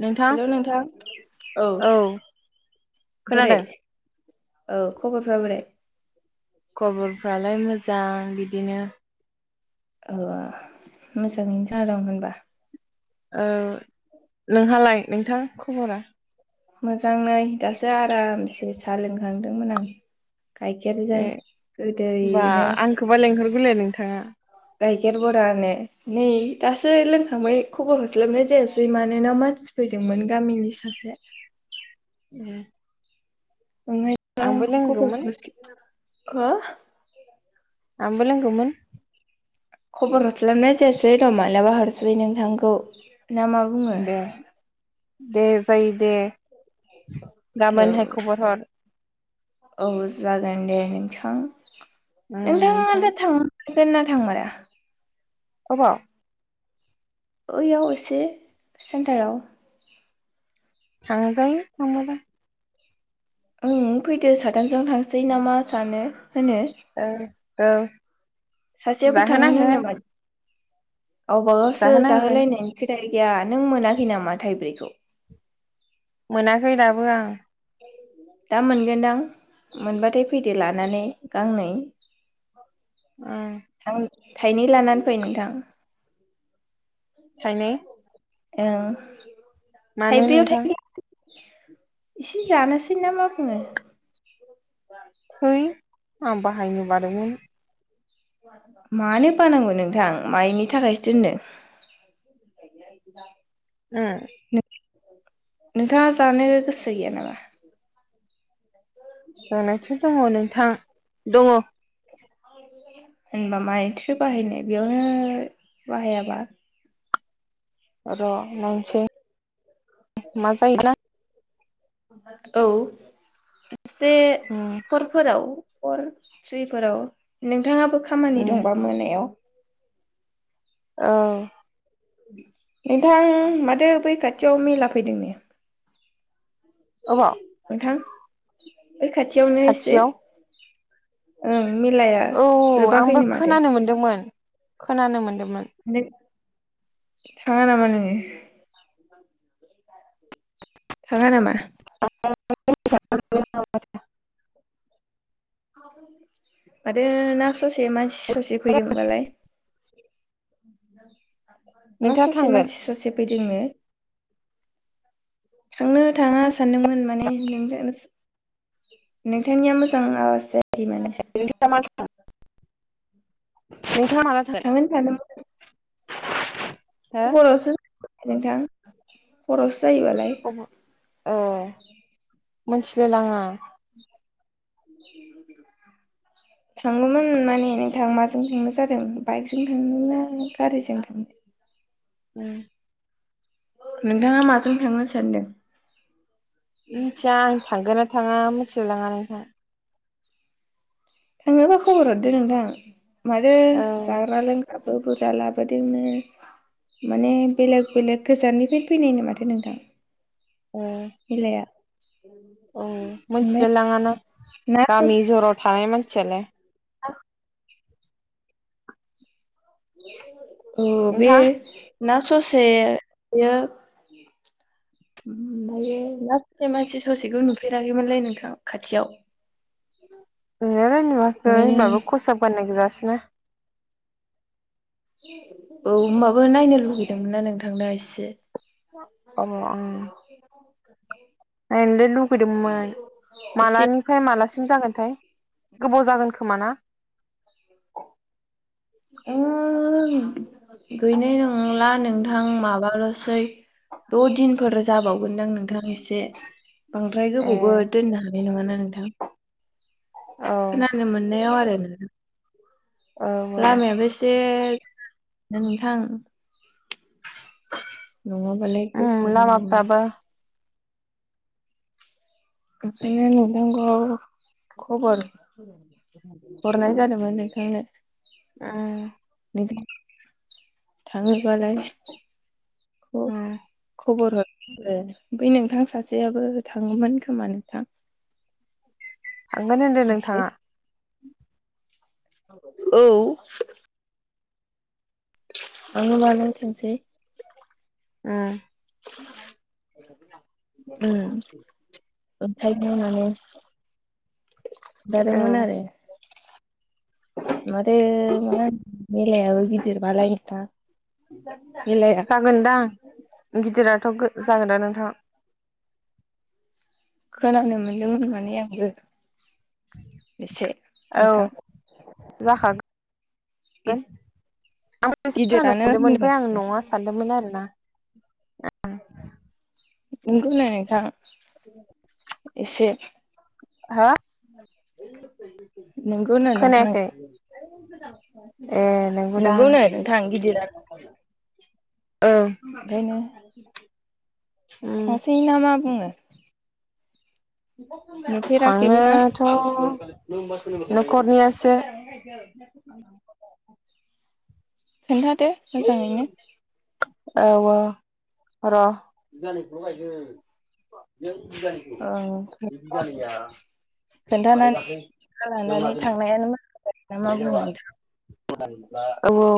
नोंथां हेलौ नोंथां औ बोरै खोनादों औ खबरफोरा बोरै [unintelligible] औ मोजाङैनो जांदों होनबा औ नोंहालाय नोंथां खबरा मोजां नै दासो आरामसे साहा लोंखांदोंमोन आं गायखेरजों ए होमबा गोदैयनो आंखौबा [unintelligible] गाइखेर बरानो नै दासो लोंखांबाय खबर हरस्लाबनाय जायासै मानोना मानसि फैदोंमोन गामिनि सासे [unintelligible] आंबो लोंगौमोन [unintelligible] हो आंबोलोंगौमोन खबर हरस्लाबनाय जायासै र' मालाबा हरसै नोंथांखौ ना मा बुङो दे दे जायो दे गाबोनहाय खबर हर औ जागोन दे नोंथां उम नोंथांङा नोंथां दा थां गोनना थांमारा? अबाव ओयाव एसे सेन्टाराव थांजायो थांबालाय उम फैदो साथामजों थांसै नामा सानो होनो औ औ सासेयाबो थाङोनो जाहोनांगोन माथो गावबा गावसो जाहो जाहोनांगोन लानायनि खोथ था गैया नों मोनाखै नामा थाइब्रैखौ मोनाखै दाबो आं दा मोनगोनदां मोनबाथाय फैदो लानानै गांनै ओम थां थाइनै लानानै फै नोंथां। थाइनै ओं मानो थाइब्रैयाव नोंथां थाइनै एसे जानोसै ना मा बुङो [unintelligible] फै आं बाहायनो बादोंमोन मानो बानांगौ नोंथां मायनि थाखायसो दोनदो ओम नोंथाङा जानो गोसो गैया नामा? [unintelligible] दङ नोंथां दङ होनबा माइथ्रो बाहायनो बेयावनो बाहायाबा र नायनोसै मा जायो ना औ एसे उम हरफोराव हर फ्रिफोराव नोंथाङाबो खामानि उम दंबा मोनायाव औ नोंथां माथो बै खाथियाव मेला फैदों नो। अबाव? थां बे खाथियावनो एसे। खाथियाव ओं मेलाया औ आंबो जोबाखैनो माथो। खोनानो मोनदोंमोन खोनानो मोन्दों [unintelligible] थांङा नामा नोंङो? थाङा नामा? [unintelligible] माथो ना ससे मानसि ससे फैदोंबालाय। ना नोंथाङा ससे थांगोन मानसि ससे फैदोंनो। थांनो थांङा सानदोंमोन माने। नोंथांनिया मोजांनांआसे बे माने। [unintelligible] थांगोन सानदोंमोन। थांगोन हरावसो। नोंथां। हरावसो जायोबालाय। मोनथिलाय लाङा। थांङोमोन माने नोंथां माजों थांनाय जादों बाइकजों थांनो ना गारिजों थांनो। उम नोंथांङा माजों थांनो सानदों? मिथिया आं थांगोन ना थांङा थिलायलाङा नोंथां। थांङोबा खबर हरदो नोंथां। मादो औ जाग्रा लोंग्रा बुरजा लाबोदोंनो माने बेलेग बेलेग गोजाननिफ्राय फैनायनो माथो नोंथां। औ हिलाया औ मिथिलाय लाङा ना ना गामि जराव थानाय मान सियालाय आ [inaudible] ओ बे नोंथां ना ससे बियो उम ओमफायो लासटायाव मानसि ससेखौ नुफेराखैमोनलै नोंथां खाथियाव ओ नुनायालाय नुवाखै ओंखायनो होनबाबो खसाब गाननाय गोजासोना औ ओमबाबो नायनो लुुबैदोंमोन ना नोंथां इसे [inaudible] अ ओं नायनोलाय लुबैदोंमोन एसे मालानिफ्राय मालासि म जागोनथाय गोबाव जागोन खोमा ना? ओ गैनाय नंला नोंथां माबाल'सै द' दिनफोर जाबावगोनदां नोंथां एसे। बांद्राय ए गोबावबो दोननो हानाय नङाना। नोंथां औ खोनानो मोननायाव आ रो नोंथां औ लामायाबो एसे नोंथां नङाबालाय उम [unintelligible] लामाफ्राबो [unintelligible] औ खबर हरनाय जादोंमोन नोंथांनो ओम थांङो बालाय उम खबर हर ए बै नोंथां सासेयाबो थाङोमोन खोमा नोंथां थांगोन होनदों मोनसे नोंथाङा औ थाङोबालाय थांसै ओम उम ओंखायनो माने औ दादोंमोन आरो माथो [unintelligible] गिदिरबालाय नोंथां मेलाया जागोनदां गिदिराथ' जागोन दा नोंथां खोनानो मोनदोंमोन माने आं [unintelligible] बेसे नोंथां? औ जाखागोन आंबो एसे खोनानो गिदिरानो मोनदोंमोन होनदों ओमफ्राय आं नङआ सानदोंमोन आरो। आ। [unintelligible] बेखौ नखा [unintelligible] एसे। हा नोंगौ नो नोंथां। [unintelligible] नंगौदां नोंगौनो नोंथां गिदिरा ओं उम थासेै ना मा बुंङो? ना थांनोथ' न'खरनियासो खोन्थादो मोजाङैनो- औ औ र' बिगानैखौ ओं बिगानैया माने खोन्थानानै दाख्लै एवना गालांनानै दोन थांनायानो मोजां मा बुङो नोंथाङा? औ औ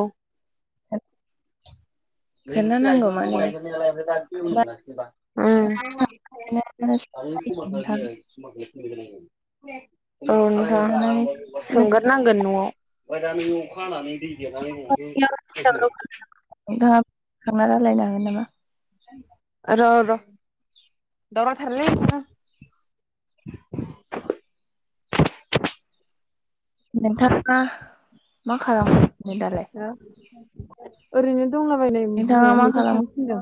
[inaudible] [unintelligible] उम [unintelligible] खोन्थानांगौ माने खोन्थानायानो साबसिन नोंथां। औ नोंहा खोन्थानानै सोंगोरनांगोन न'आव। ओमफाय दानि अखा हानानै नोंथांनियाव [unintelligible] नोंथाङा थांना रायलायनो हागोन नामा? र' र' दावराव थारलै नोंथाङा मा खालामगोन? हा ओरैनो दंलाबायनाय नोंथाङा बिमाया मा मैथा खालाम खानो थिनदों।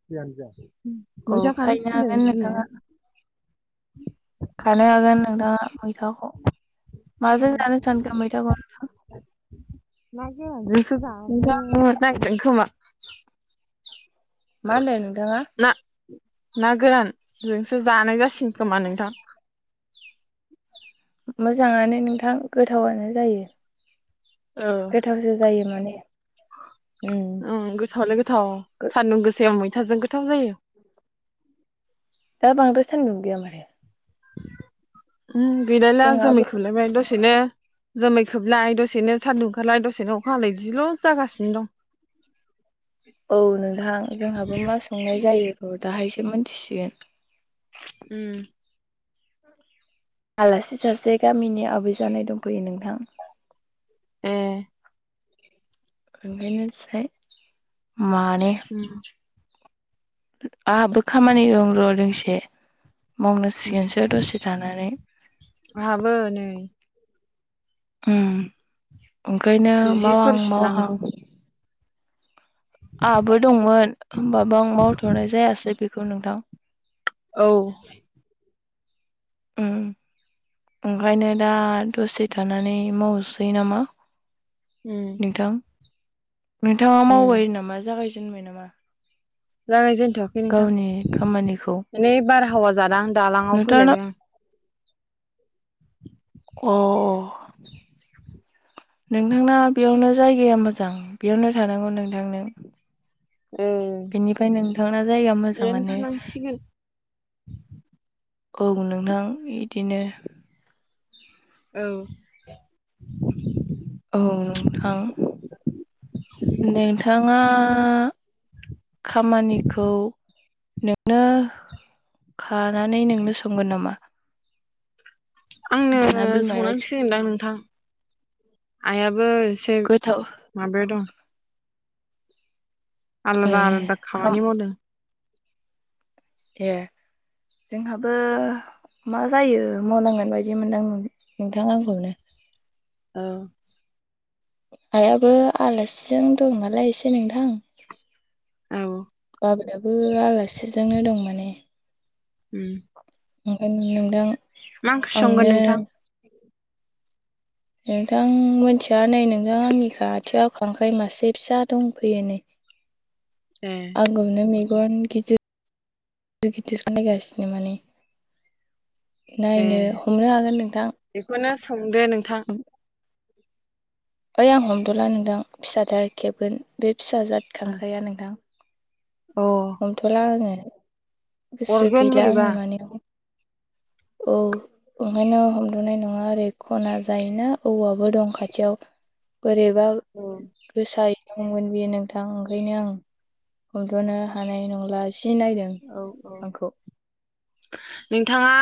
[unintelligible] औ मैथा खानो खायनो हागोन थिनदों बिमाया नोंथाङा [inaudible] खानो हागोन नोंथाङा मैथाखौ। माजों जानो सानखो मैथाखौनथ'? ना गोरानजोंसो नोंथां जानो नागिरदों खोमा। मा होनदों नोंथाङा? ना ना गोरानजोंसो जानाय जासिगोन खोमा नोंथां। मोजाङानो नोंथां गोथावानो जायो। गोथावसो जायो माने। [inaudible] उम ओम गोथावालाय गोथाव सान्दुं गोसायाव मै थाजों गोथाव जायो। दा बांद्राय सानदुं गैया माथो। ओम गैलायला जोंहाबो जोमै खोबलायबाय दसेनो। जोमै खोबलाय दसेनो सान्दुंं ओंखारलाय दसेनो अखाहालाय दिल' जागासिनो दं। औ नोंथां जोंहाबो मा संनाय जायो औ दाहाय सो मोनथिसिगोन। ओम। आलासि सासे गामिनि आबै जानाय दंफैयो नोंथां। ए। ओंखायनो साय मानै। उम [inaudible] आहाबो खामानि दं र' दोंसे उम मावनांसिगोनसो दसे थानानै। आंहाबो नै ओम। ओंखायनो मावहां जिफोर मावहां। सुनांगौ आहाबो दंमोन होमबाबो आं मावथ'नाय जायासै बे खौ नोंथां। औ। ओं ओंखायनो दा दसे थानानै मावसै नामा? उम नोंथां। नोंथाङा उम मावबाय नामा जागाय जेनबाय नामा? जागायजेन थ'आखै नोंथां गावनि खामानिखौ माने बारहावा जादां दालाङाव नोंथाङा फैलायबाय आं। अ नोंथांना बेयावनो जायगाया मोजां बेयावनो थानांगौ नोंथां नों। ओ बेनिफाय नोंथांना जायगाया बेयावनो मोजाङानो। थानांसिगोन औ नोंथां बिदिनो। औ। औ‌ नोंथां। नोंथाङा खामानिखौ नोंनो खानानै नोंनो संगोन नामा? आंनो ना बिमाया संनांसिगोनदां नोंथां आइयाबो एसे गोथाव माबायाव दं। ए आलादा आलदा खाम खामानि मावदों ए जोंहाबो मा जायो मावनांगोन बायदि मोनदां नोंथां आंखौनो औ आइयाबो आलासिजों दं नालाय एसे नोंथां औ मोनाबो आलासि बिसोरजोंनो दं माने उम ओमफाय नोंदां मा ओंख्रि संगोन आंनो नोंथां नोंथां मिथिया नै नोंथां आंनि खाथियाव खांख्राइ मासे फिसा दंफैयो नै ए आंगौनो मै गन गिदिर गिदिर नायगासिनो माने ए नायनो हमनो हागोन नोंथां दे नोंथां ओइ आं हमदला नोंदां फिसाथार खेबगोन बे फिसा जाद खांख्राया नोंथां अ हमथ'ला आङो गोसो अरगोन गैला आङो बोरैबा माने औ ओंखायनो हमद'नाय नङा ओरै खना जायोना औवाबो दं खाथियाव बोरैबा औ गोसाय- बुंगोन बियो नोंथां ओंखायनो आं हमथ'नो हानाय नंला जि नायदों औ औ आंखौ नोंथाङा